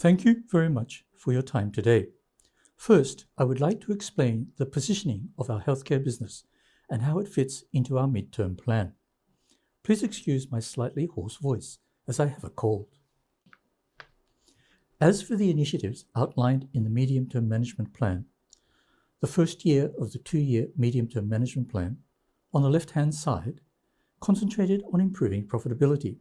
Thank you very much for your time today. First, I would like to explain the positioning of our healthcare business and how it fits into our medium-term plan. Please excuse my slightly hoarse voice as I have a cold. As for the initiatives outlined in the medium-term management plan, the first year of the two-year medium-term management plan, on the left-hand side, concentrated on improving profitability,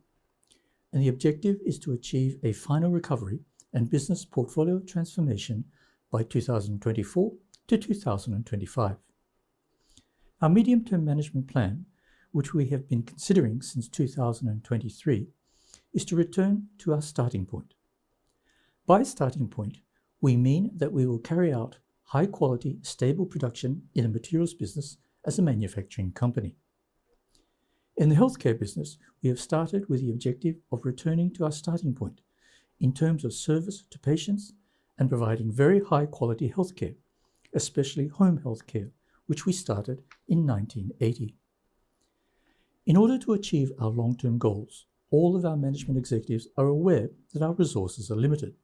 and the objective is to achieve a final recovery and business portfolio transformation by 2024 to 2025. Our medium-term management plan, which we have been considering since 2023, is to return to our starting point. By starting point, we mean that we will carry out high-quality, stable production in a materials business as a manufacturing company. In the healthcare business, we have started with the objective of returning to our starting point in terms of service to patients and providing very high-quality healthcare, especially home healthcare, which we started in 1980. In order to achieve our long-term goals, all of our management executives are aware that our resources are limited,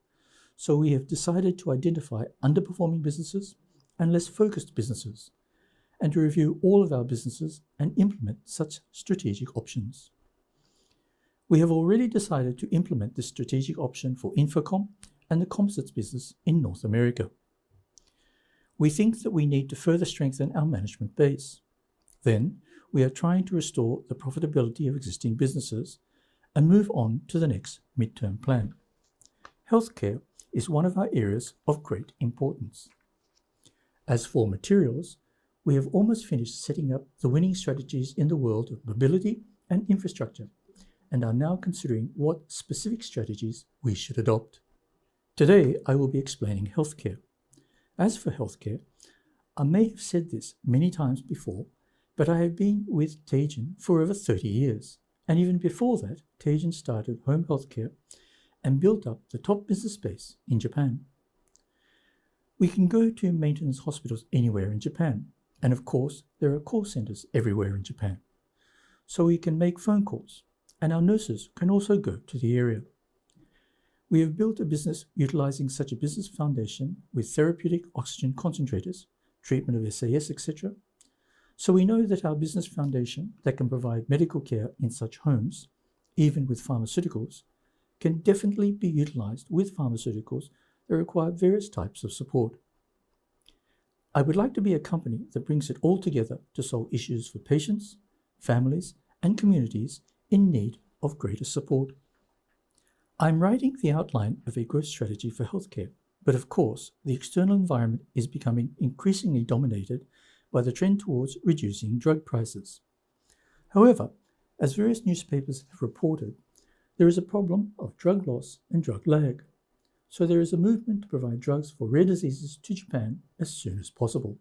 so we have decided to identify underperforming businesses and less focused businesses and to review all of our businesses and implement such strategic options. We have already decided to implement the strategic option for Infocom and the composites business in North America. We think that we need to further strengthen our management base. Then, we are trying to restore the profitability of existing businesses and move on to the next midterm plan. Healthcare is one of our areas of great importance. As for materials, we have almost finished setting up the winning strategies in the world of mobility and infrastructure and are now considering what specific strategies we should adopt. Today, I will be explaining healthcare. As for healthcare, I may have said this many times before, but I have been with Teijin for over 30 years, and even before that, Teijin started home healthcare and built up the top business space in Japan. We can go to maintenance hospitals anywhere in Japan, and of course, there are call centers everywhere in Japan, so we can make phone calls, and our nurses can also go to the area. We have built a business utilizing such a business foundation with therapeutic oxygen concentrators, treatment of SAS, etc., so we know that our business foundation that can provide medical care in such homes, even with pharmaceuticals, can definitely be utilized with pharmaceuticals that require various types of support. I would like to be a company that brings it all together to solve issues for patients, families, and communities in need of greater support. I'm writing the outline of a growth strategy for healthcare, but of course, the external environment is becoming increasingly dominated by the trend towards reducing drug prices. However, as various newspapers have reported, there is a problem of drug loss and drug lag, so there is a movement to provide drugs for rare diseases to Japan as soon as possible.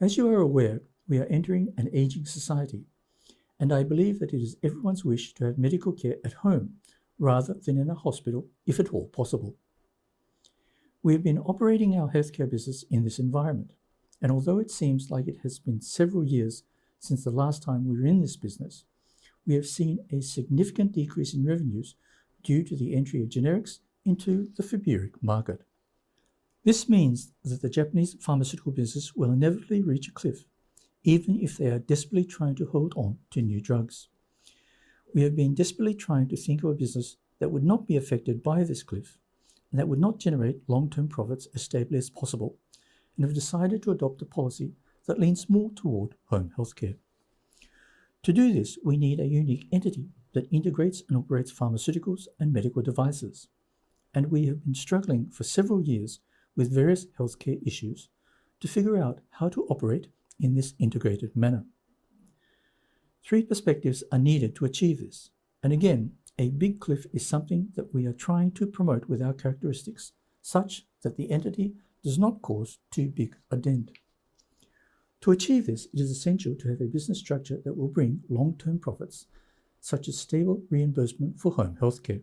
As you are aware, we are entering an aging society, and I believe that it is everyone's wish to have medical care at home rather than in a hospital if at all possible. We have been operating our healthcare business in this environment, and although it seems like it has been several years since the last time we were in this business, we have seen a significant decrease in revenues due to the entry of generics into the pharma market. This means that the Japanese pharmaceutical business will inevitably reach a cliff, even if they are desperately trying to hold on to new drugs. We have been desperately trying to think of a business that would not be affected by this cliff and that would not generate long-term profits as stably as possible, and have decided to adopt a policy that leans more toward home healthcare. To do this, we need a unique entity that integrates and operates pharmaceuticals and medical devices, and we have been struggling for several years with various healthcare issues to figure out how to operate in this integrated manner. Three perspectives are needed to achieve this, and again, a big cliff is something that we are trying to promote with our characteristics such that the entity does not cause too big a dent. To achieve this, it is essential to have a business structure that will bring long-term profits such as stable reimbursement for home healthcare.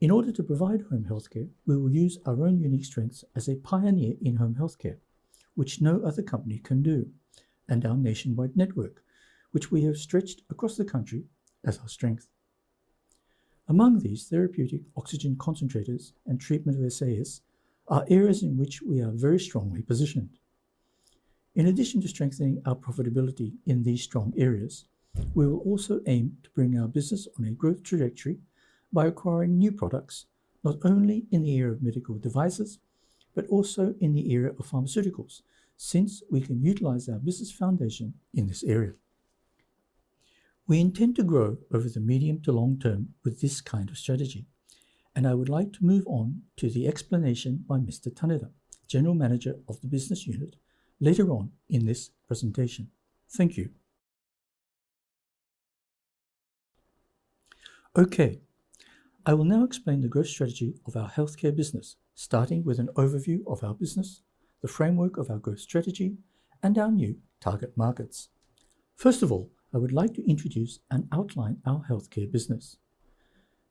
In order to provide home healthcare, we will use our own unique strengths as a pioneer in home healthcare, which no other company can do, and our nationwide network, which we have stretched across the country as our strength. Among these, therapeutic oxygen concentrators and treatment of SAS are areas in which we are very strongly positioned. In addition to strengthening our profitability in these strong areas, we will also aim to bring our business on a growth trajectory by acquiring new products not only in the area of medical devices but also in the area of pharmaceuticals since we can utilize our business foundation in this area. We intend to grow over the medium to long term with this kind of strategy, and I would like to move on to the explanation by Mr. Taneda, General Manager of the business unit, later on in this presentation. Thank you. Okay, I will now explain the growth strategy of our healthcare business, starting with an overview of our business, the framework of our growth strategy, and our new target markets. First of all, I would like to introduce and outline our healthcare business.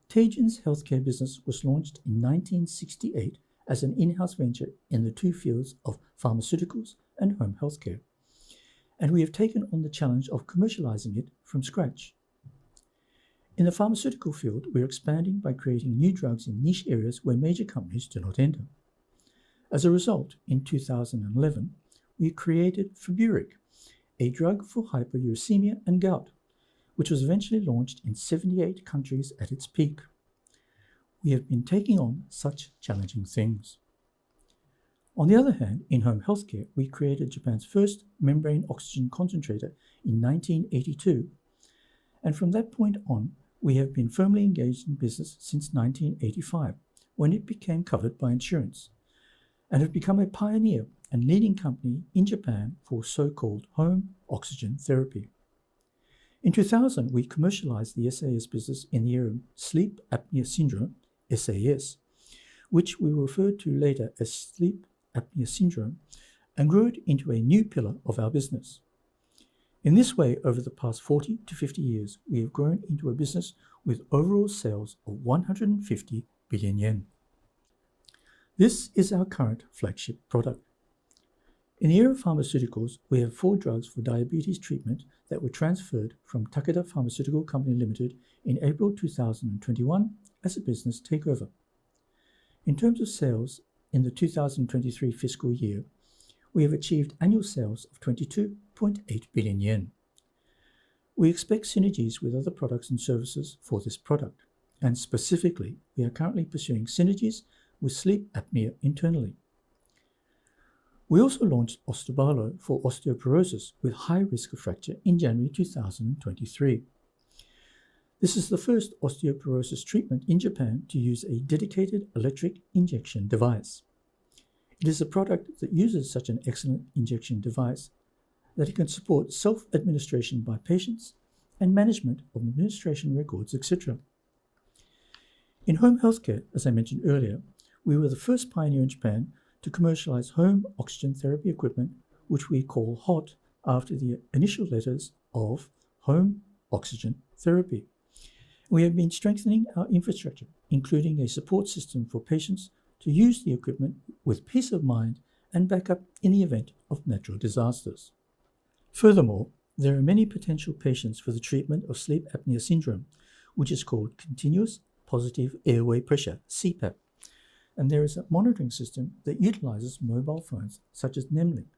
Teijin's healthcare business was launched in 1968 as an in-house venture in the two fields of pharmaceuticals and home healthcare, and we have taken on the challenge of commercializing it from scratch. In the pharmaceutical field, we are expanding by creating new drugs in niche areas where major companies do not enter. As a result, in 2011, we created Feburic, a drug for hyperuricemia and gout, which was eventually launched in 78 countries at its peak. We have been taking on such challenging things. On the other hand, in home healthcare, we created Japan's first membrane oxygen concentrator in 1982, and from that point on, we have been firmly engaged in business since 1985 when it became covered by insurance and have become a pioneer and leading company in Japan for so-called home oxygen therapy. In 2000, we commercialized the SAS business in the area of sleep apnea syndrome, SAS, which we referred to later as sleep apnea syndrome, and grew it into a new pillar of our business. In this way, over the past 40 to 50 years, we have grown into a business with overall sales of 150 billion yen. This is our current flagship product. In the area of pharmaceuticals, we have four drugs for diabetes treatment that were transferred from Takeda Pharmaceutical Company Limited in April 2021 as a business takeover. In terms of sales in the 2023 fiscal year, we have achieved annual sales of 22.8 billion yen. We expect synergies with other products and services for this product, and specifically, we are currently pursuing synergies with sleep apnea internally. We also launched Ostabalo for osteoporosis with high-risk fracture in January 2023. This is the first osteoporosis treatment in Japan to use a dedicated electric injection device. It is a product that uses such an excellent injection device that it can support self-administration by patients and management of administration records, etc. In home healthcare, as I mentioned earlier, we were the first pioneer in Japan to commercialize home oxygen therapy equipment, which we call HOT after the initial letters of home oxygen therapy. We have been strengthening our infrastructure, including a support system for patients to use the equipment with peace of mind and backup in the event of natural disasters. Furthermore, there are many potential patients for the treatment of sleep apnea syndrome, which is called continuous positive airway pressure, CPAP, and there is a monitoring system that utilizes mobile phones such as NemLink,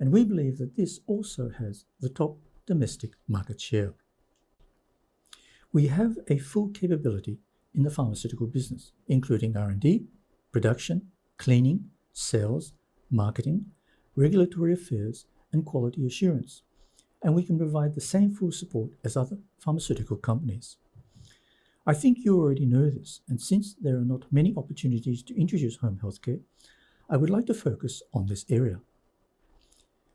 and we believe that this also has the top domestic market share. We have a full capability in the pharmaceutical business, including R&D, production, cleaning, sales, marketing, regulatory affairs, and quality assurance, and we can provide the same full support as other pharmaceutical companies. I think you already know this, and since there are not many opportunities to introduce home healthcare, I would like to focus on this area.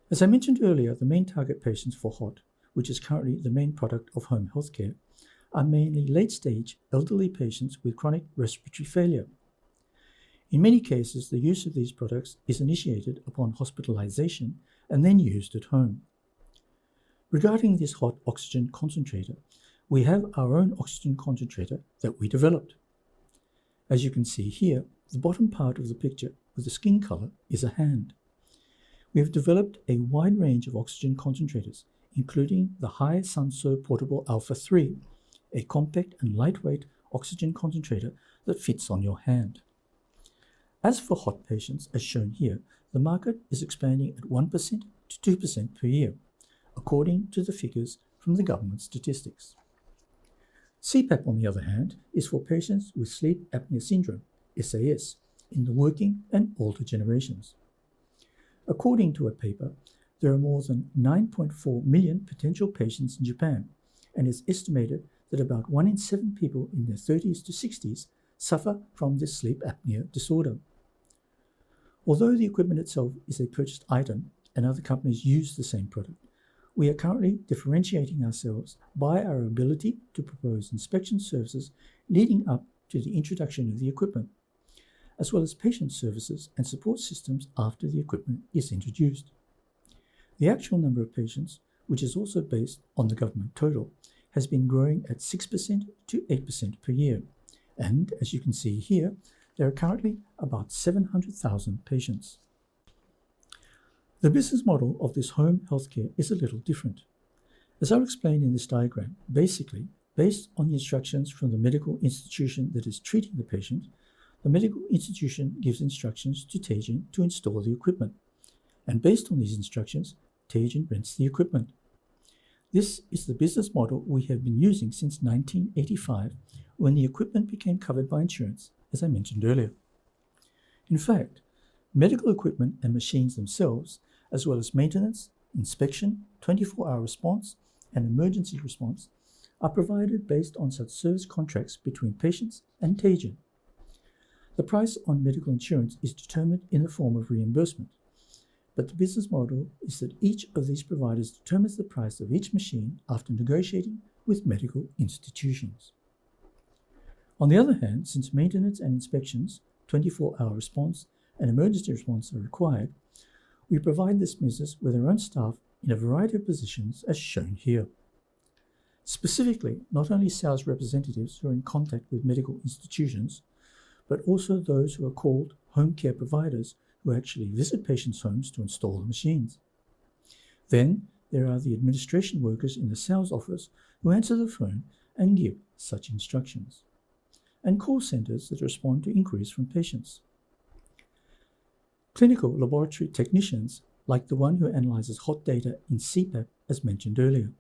As I mentioned earlier, the main target patients for HOT, which is currently the main product of home healthcare, are mainly late-stage elderly patients with chronic respiratory failure. In many cases, the use of these products is initiated upon hospitalization and then used at home. Regarding this HOT oxygen concentrator, we have our own oxygen concentrator that we developed. As you can see here, the bottom part of the picture with the skin color is a hand. We have developed a wide range of oxygen concentrators, including the Hi-Sanso Portable α III, a compact and lightweight oxygen concentrator that fits on your hand. As for HOT patients, as shown here, the market is expanding at 1%-2% per year, according to the figures from the government statistics. CPAP, on the other hand, is for patients with sleep apnea syndrome, SAS, in the working and older generations. According to a paper, there are more than 9.4 million potential patients in Japan, and it's estimated that about one in seven people in their 30s to 60s suffer from this sleep apnea disorder. Although the equipment itself is a purchased item and other companies use the same product, we are currently differentiating ourselves by our ability to propose inspection services leading up to the introduction of the equipment, as well as patient services and support systems after the equipment is introduced. The actual number of patients, which is also based on the government total, has been growing at 6%-8% per year, and as you can see here, there are currently about 700,000 patients. The business model of this home healthcare is a little different. As I'll explain in this diagram, basically, based on the instructions from the medical institution that is treating the patient, the medical institution gives instructions to Teijin to install the equipment, and based on these instructions, Teijin rents the equipment. This is the business model we have been using since 1985 when the equipment became covered by insurance, as I mentioned earlier. In fact, medical equipment and machines themselves, as well as maintenance, inspection, 24-hour response, and emergency response, are provided based on such service contracts between patients and Teijin. The price on medical insurance is determined in the form of reimbursement, but the business model is that each of these providers determines the price of each machine after negotiating with medical institutions. On the other hand, since maintenance and inspections, 24-hour response, and emergency response are required, we provide this business with our own staff in a variety of positions, as shown here. Specifically, not only sales representatives who are in contact with medical institutions, but also those who are called home care providers who actually visit patients' homes to install the machines. Then, there are the administration workers in the sales office who answer the phone and give such instructions, and call centers that respond to inquiries from patients. Clinical laboratory technicians, like the one who analyzes HOT data in CPAP, as mentioned earlier.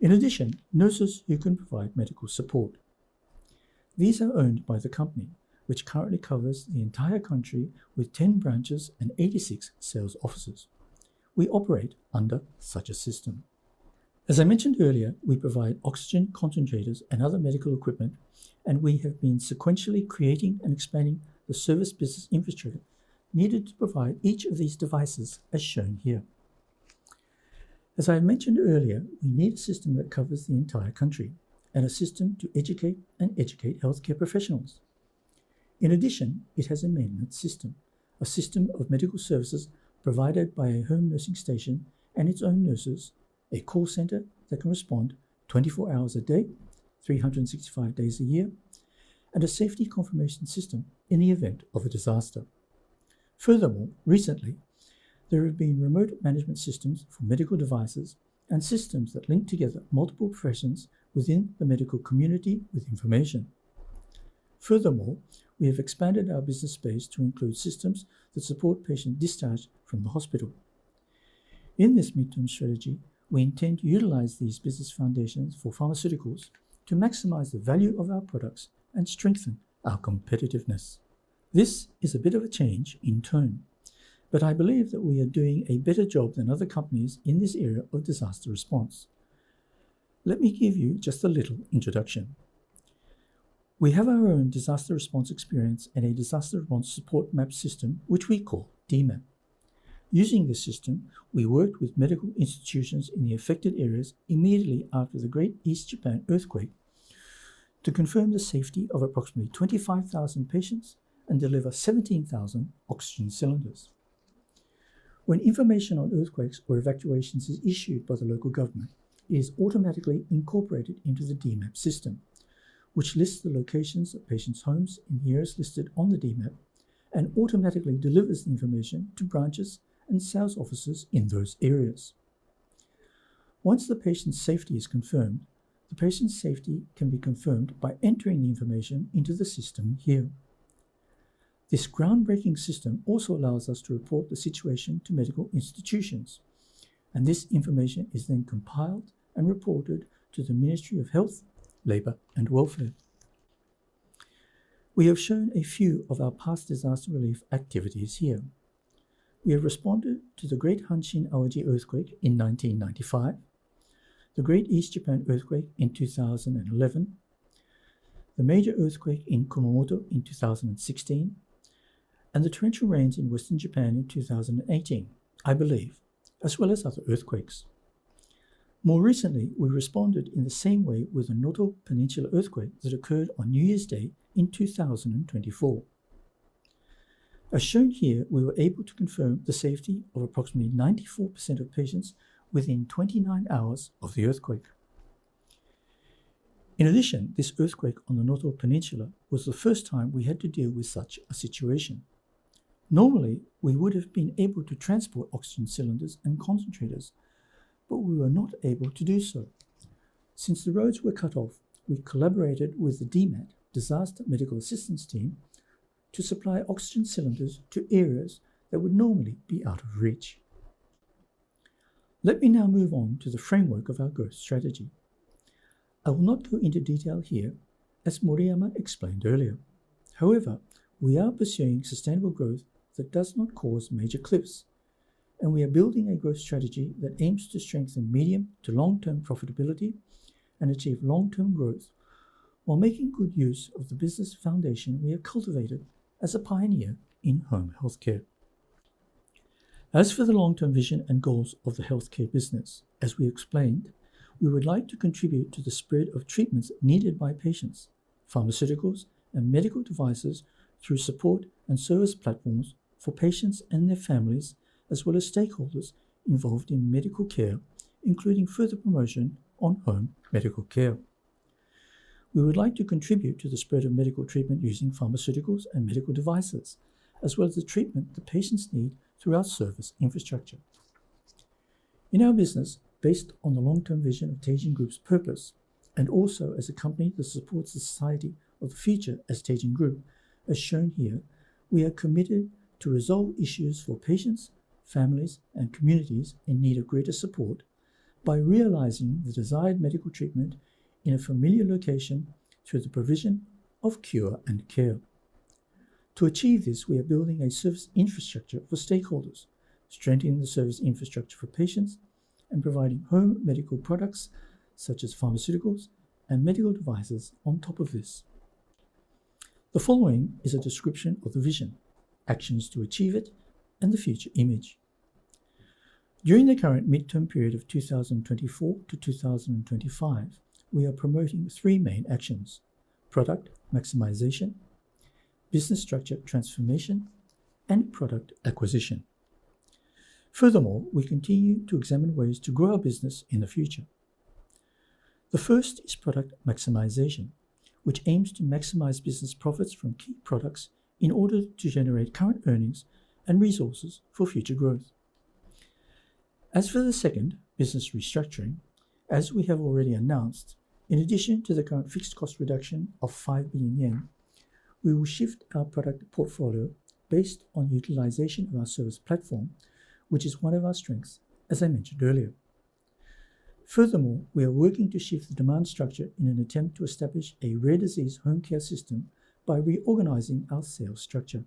In addition, nurses who can provide medical support. These are owned by the company, which currently covers the entire country with 10 branches and 86 sales offices. We operate under such a system. As I mentioned earlier, we provide oxygen concentrators and other medical equipment, and we have been sequentially creating and expanding the service business infrastructure needed to provide each of these devices, as shown here. As I mentioned earlier, we need a system that covers the entire country and a system to educate healthcare professionals. In addition, it has a maintenance system, a system of medical services provided by a home nursing station and its own nurses, a call center that can respond 24 hours a day, 365 days a year, and a safety confirmation system in the event of a disaster. Furthermore, recently, there have been remote management systems for medical devices and systems that link together multiple professions within the medical community with information. Furthermore, we have expanded our business space to include systems that support patient discharge from the hospital. In this midterm strategy, we intend to utilize these business foundations for pharmaceuticals to maximize the value of our products and strengthen our competitiveness. This is a bit of a change in tone, but I believe that we are doing a better job than other companies in this area of disaster response. Let me give you just a little introduction. We have our own disaster response experience and a disaster response support map system, which we call D-MAP. Using this system, we worked with medical institutions in the affected areas immediately after the Great East Japan Earthquake to confirm the safety of approximately 25,000 patients and deliver 17,000 oxygen cylinders. When information on earthquakes or evacuations is issued by the local government, it is automatically incorporated into the D-MAP system, which lists the locations of patients' homes in the areas listed on the D-MAP and automatically delivers the information to branches and sales offices in those areas. Once the patient's safety is confirmed by entering the information into the system here. This groundbreaking system also allows us to report the situation to medical institutions, and this information is then compiled and reported to the Ministry of Health, Labour and Welfare. We have shown a few of our past disaster relief activities here. We have responded to the Great Hanshin-Awaji Earthquake in 1995, the Great East Japan Earthquake in 2011, the major earthquake in Kumamoto in 2016, and the torrential rains in western Japan in 2018, I believe, as well as other earthquakes. More recently, we responded in the same way with the Noto Peninsula Earthquake that occurred on New Year's Day in 2024. As shown here, we were able to confirm the safety of approximately 94% of patients within 29 hours of the earthquake. In addition, this earthquake on the Noto Peninsula was the first time we had to deal with such a situation. Normally, we would have been able to transport oxygen cylinders and concentrators, but we were not able to do so. Since the roads were cut off, we collaborated with the DMAT, Disaster Medical Assistance Team, to supply oxygen cylinders to areas that would normally be out of reach. Let me now move on to the framework of our growth strategy. I will not go into detail here, as Moriyama explained earlier. However, we are pursuing sustainable growth that does not cause major cliffs, and we are building a growth strategy that aims to strengthen medium to long-term profitability and achieve long-term growth while making good use of the business foundation we have cultivated as a pioneer in home healthcare. As for the long-term vision and goals of the healthcare business, as we explained, we would like to contribute to the spread of treatments needed by patients, pharmaceuticals, and medical devices through support and service platforms for patients and their families, as well as stakeholders involved in medical care, including further promotion on home medical care. We would like to contribute to the spread of medical treatment using pharmaceuticals and medical devices, as well as the treatment the patients need through our service infrastructure. In our business, based on the long-term vision of Teijin Group's purpose, and also as a company that supports the society of the future as Teijin Group, as shown here, we are committed to resolve issues for patients, families, and communities in need of greater support by realizing the desired medical treatment in a familiar location through the provision of cure and care. To achieve this, we are building a service infrastructure for stakeholders, strengthening the service infrastructure for patients, and providing home medical products such as pharmaceuticals and medical devices on top of this. The following is a description of the vision, actions to achieve it, and the future image. During the current midterm period of 2024 to 2025, we are promoting three main actions: product maximization, business structure transformation, and product acquisition. Furthermore, we continue to examine ways to grow our business in the future. The first is product maximization, which aims to maximize business profits from key products in order to generate current earnings and resources for future growth. As for the second, business restructuring, as we have already announced, in addition to the current fixed cost reduction of 5 billion yen, we will shift our product portfolio based on utilization of our service platform, which is one of our strengths, as I mentioned earlier. Furthermore, we are working to shift the demand structure in an attempt to establish a rare disease home care system by reorganizing our sales structure.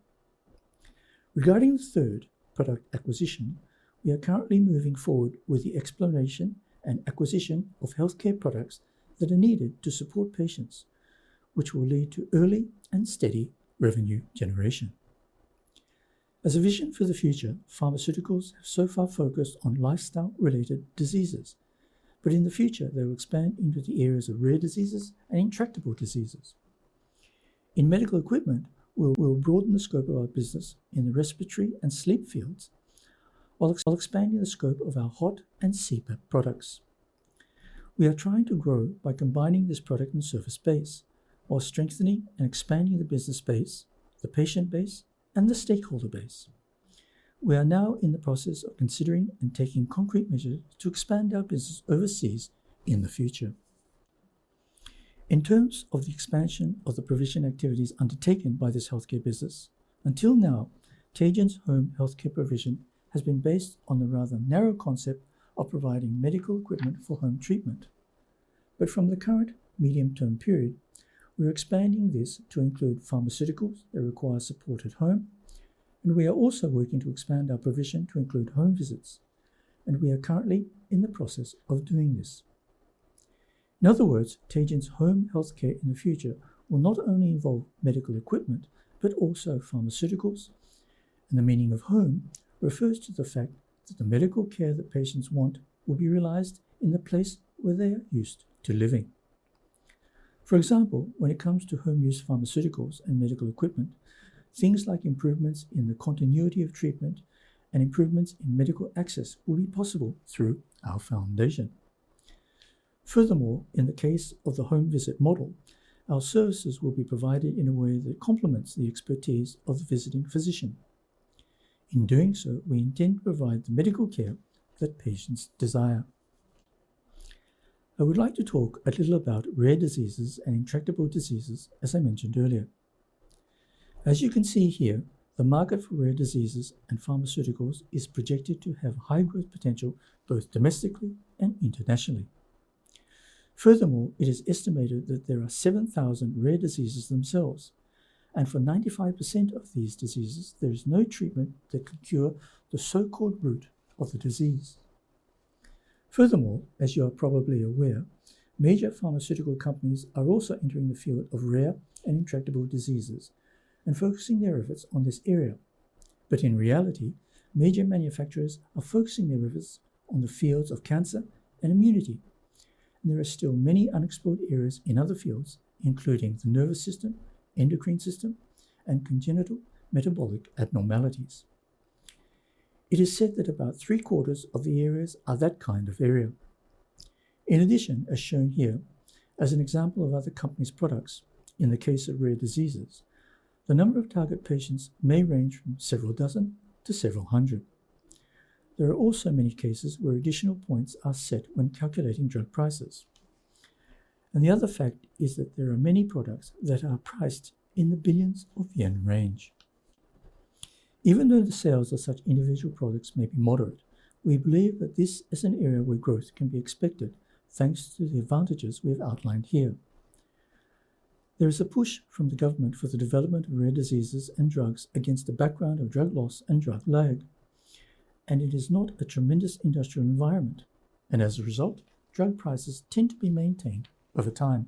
Regarding the third, product acquisition, we are currently moving forward with the exploration and acquisition of healthcare products that are needed to support patients, which will lead to early and steady revenue generation. As a vision for the future, pharmaceuticals have so far focused on lifestyle-related diseases, but in the future, they will expand into the areas of rare diseases and intractable diseases. In medical equipment, we will broaden the scope of our business in the respiratory and sleep fields while expanding the scope of our HOT and CPAP products. We are trying to grow by combining this product and service base while strengthening and expanding the business base, the patient base, and the stakeholder base. We are now in the process of considering and taking concrete measures to expand our business overseas in the future. In terms of the expansion of the provision activities undertaken by this healthcare business, until now, Teijin's home healthcare provision has been based on the rather narrow concept of providing medical equipment for home treatment. But from the current medium-term period, we are expanding this to include pharmaceuticals that require support at home, and we are also working to expand our provision to include home visits, and we are currently in the process of doing this. In other words, Teijin's home healthcare in the future will not only involve medical equipment but also pharmaceuticals, and the meaning of home refers to the fact that the medical care that patients want will be realized in the place where they are used to living. For example, when it comes to home-use pharmaceuticals and medical equipment, things like improvements in the continuity of treatment and improvements in medical access will be possible through our foundation. Furthermore, in the case of the home visit model, our services will be provided in a way that complements the expertise of the visiting physician. In doing so, we intend to provide the medical care that patients desire. I would like to talk a little about rare diseases and intractable diseases, as I mentioned earlier. As you can see here, the market for rare diseases and pharmaceuticals is projected to have high growth potential both domestically and internationally. Furthermore, it is estimated that there are 7,000 rare diseases themselves, and for 95% of these diseases, there is no treatment that can cure the so-called root of the disease. Furthermore, as you are probably aware, major pharmaceutical companies are also entering the field of rare and intractable diseases and focusing their efforts on this area, but in reality, major manufacturers are focusing their efforts on the fields of cancer and immunity, and there are still many unexplored areas in other fields, including the nervous system, endocrine system, and congenital metabolic abnormalities. It is said that about three-quarters of the areas are that kind of area. In addition, as shown here, as an example of other companies' products in the case of rare diseases, the number of target patients may range from several dozen to several hundred. There are also many cases where additional points are set when calculating drug prices. And the other fact is that there are many products that are priced in the billions of yen range. Even though the sales of such individual products may be moderate, we believe that this is an area where growth can be expected thanks to the advantages we have outlined here. There is a push from the government for the development of drugs for rare diseases against the background of drug loss and drug lag, and it is not a tremendous industrial environment, and as a result, drug prices tend to be maintained over time.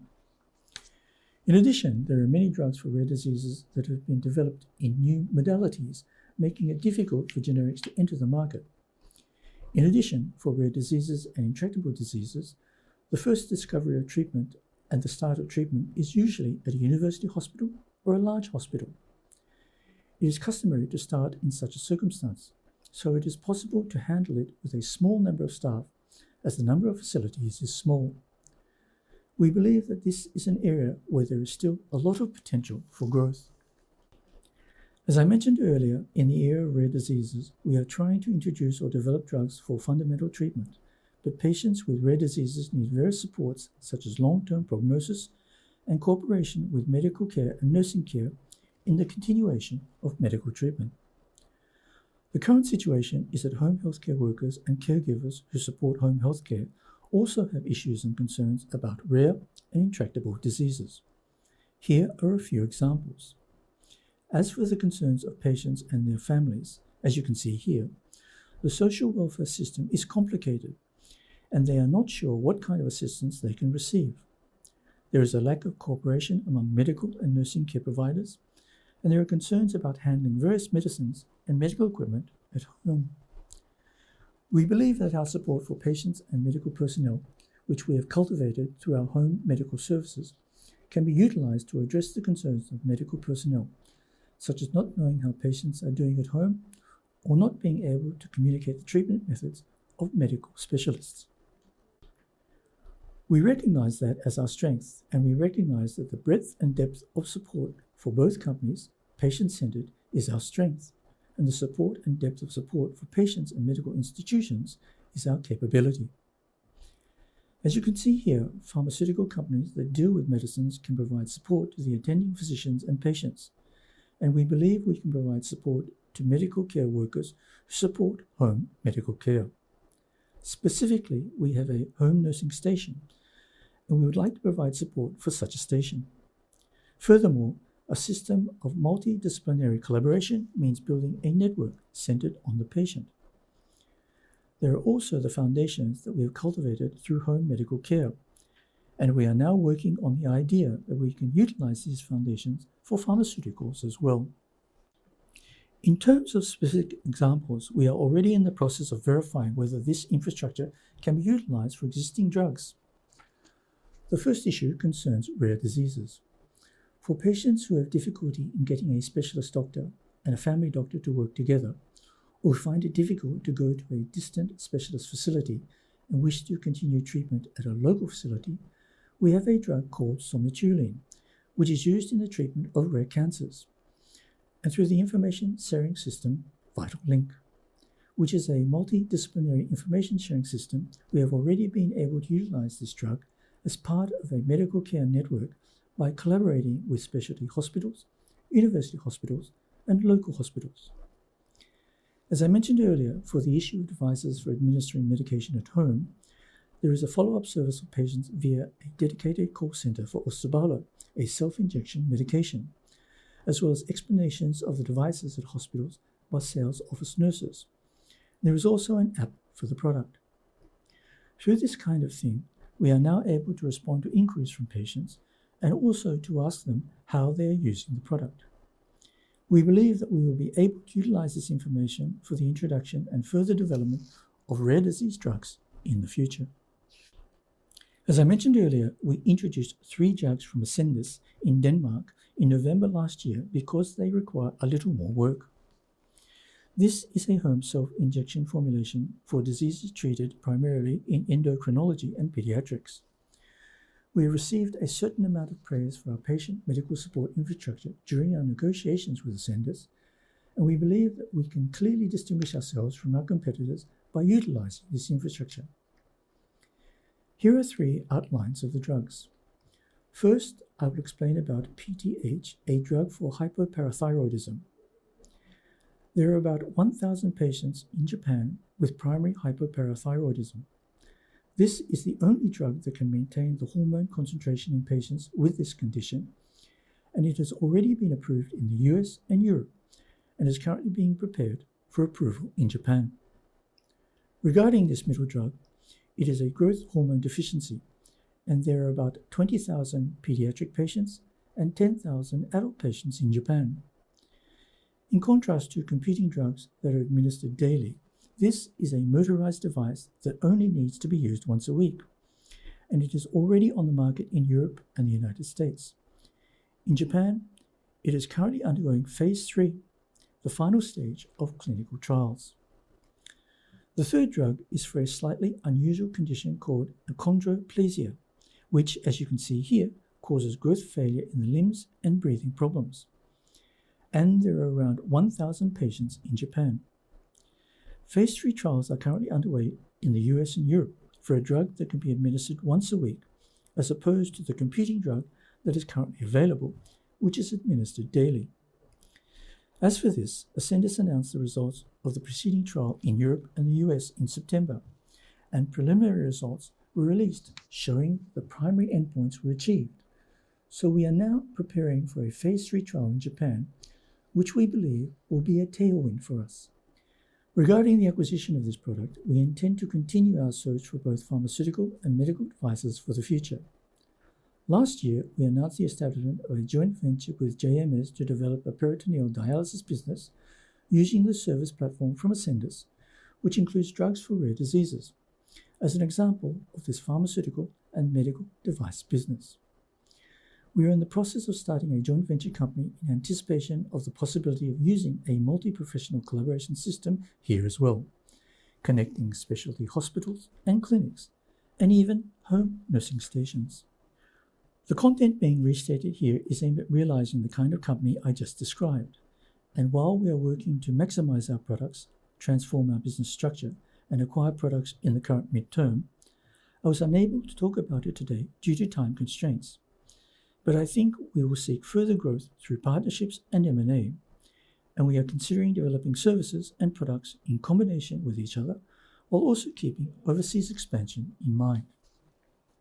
In addition, there are many drugs for rare diseases that have been developed in new modalities, making it difficult for generics to enter the market. In addition, for rare diseases and intractable diseases, the first discovery of treatment and the start of treatment is usually at a university hospital or a large hospital. It is customary to start in such a circumstance, so it is possible to handle it with a small number of staff as the number of facilities is small. We believe that this is an area where there is still a lot of potential for growth. As I mentioned earlier, in the area of rare diseases, we are trying to introduce or develop drugs for fundamental treatment, but patients with rare diseases need various supports such as long-term prognosis and cooperation with medical care and nursing care in the continuation of medical treatment. The current situation is that home healthcare workers and caregivers who support home healthcare also have issues and concerns about rare and intractable diseases. Here are a few examples. As for the concerns of patients and their families, as you can see here, the social welfare system is complicated, and they are not sure what kind of assistance they can receive. There is a lack of cooperation among medical and nursing care providers, and there are concerns about handling various medicines and medical equipment at home. We believe that our support for patients and medical personnel, which we have cultivated through our home medical services, can be utilized to address the concerns of medical personnel, such as not knowing how patients are doing at home or not being able to communicate the treatment methods of medical specialists. We recognize that as our strength, and we recognize that the breadth and depth of support for both companies, patient-centered, is our strength, and the support and depth of support for patients and medical institutions is our capability. As you can see here, pharmaceutical companies that deal with medicines can provide support to the attending physicians and patients, and we believe we can provide support to medical care workers who support home medical care. Specifically, we have a home nursing station, and we would like to provide support for such a station. Furthermore, a system of multidisciplinary collaboration means building a network centered on the patient. There are also the foundations that we have cultivated through home medical care, and we are now working on the idea that we can utilize these foundations for pharmaceuticals as well. In terms of specific examples, we are already in the process of verifying whether this infrastructure can be utilized for existing drugs. The first issue concerns rare diseases. For patients who have difficulty in getting a specialist doctor and a family doctor to work together or find it difficult to go to a distant specialist facility and wish to continue treatment at a local facility, we have a drug called Somatuline, which is used in the treatment of rare cancers, and through the information sharing system, VitalLink, which is a multidisciplinary information sharing system, we have already been able to utilize this drug as part of a medical care network by collaborating with specialty hospitals, university hospitals, and local hospitals. As I mentioned earlier, for the issue of devices for administering medication at home, there is a follow-up service for patients via a dedicated call center for Ostabalo, a self-injection medication, as well as explanations of the devices at hospitals by sales office nurses. There is also an app for the product. Through this kind of thing, we are now able to respond to inquiries from patients and also to ask them how they are using the product. We believe that we will be able to utilize this information for the introduction and further development of rare disease drugs in the future. As I mentioned earlier, we introduced three drugs from Ascendis in Denmark in November last year because they require a little more work. This is a home self-injection formulation for diseases treated primarily in endocrinology and pediatrics. We received a certain amount of praise for our patient medical support infrastructure during our negotiations with Ascendis, and we believe that we can clearly distinguish ourselves from our competitors by utilizing this infrastructure. Here are three outlines of the drugs. First, I will explain about PTH, a drug for hyperparathyroidism. There are about 1,000 patients in Japan with primary hyperparathyroidism. This is the only drug that can maintain the hormone concentration in patients with this condition, and it has already been approved in the U.S. and Europe and is currently being prepared for approval in Japan. Regarding this middle drug, it is a growth hormone deficiency, and there are about 20,000 pediatric patients and 10,000 adult patients in Japan. In contrast to competing drugs that are administered daily, this is a motorized device that only needs to be used once a week, and it is already on the market in Europe and the United States. In Japan, it is currently undergoing phase III, the final stage of clinical trials. The third drug is for a slightly unusual condition called achondroplasia, which, as you can see here, causes growth failure in the limbs and breathing problems, and there are around 1,000 patients in Japan. Phase III trials are currently underway in the U.S. and Europe for a drug that can be administered once a week as opposed to the competing drug that is currently available, which is administered daily. As for this, Ascendis announced the results of the preceding trial in Europe and the U.S. in September, and preliminary results were released showing the primary endpoints were achieved. So we are now preparing for a phase III trial in Japan, which we believe will be a tailwind for us. Regarding the acquisition of this product, we intend to continue our search for both pharmaceutical and medical devices for the future. Last year, we announced the establishment of a joint venture with JMS to develop a peritoneal dialysis business using the service platform from Ascendis, which includes drugs for rare diseases, as an example of this pharmaceutical and medical device business. We are in the process of starting a joint venture company in anticipation of the possibility of using a multi-professional collaboration system here as well, connecting specialty hospitals and clinics and even home nursing stations. The content being restated here is aimed at realizing the kind of company I just described, and while we are working to maximize our products, transform our business structure, and acquire products in the current midterm, I was unable to talk about it today due to time constraints, but I think we will seek further growth through partnerships and M&A, and we are considering developing services and products in combination with each other while also keeping overseas expansion in mind.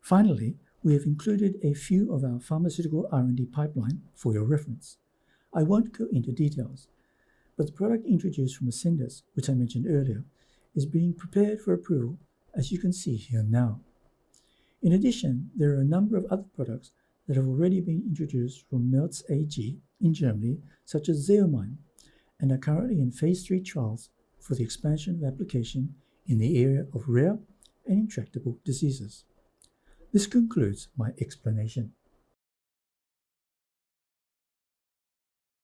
Finally, we have included a few of our pharmaceutical R&D pipeline for your reference. I won't go into details, but the product introduced from Ascendis, which I mentioned earlier, is being prepared for approval, as you can see here now. In addition, there are a number of other products that have already been introduced from Merz in Germany, such as Xeomin, and are currently in phase III trials for the expansion of application in the area of rare and intractable diseases. This concludes my explanation.